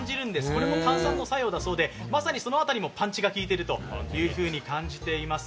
これも炭酸の作用だそうで、まさにその辺りもパンチが効いているというふうに感じています。